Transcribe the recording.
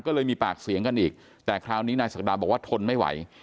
ก็เลยมีปากเสียงกันอีกแต่คราวนี้นายศักดาบอกว่าทนไม่ไหว